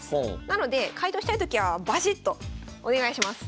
なので解答したいときはバシッとお願いします。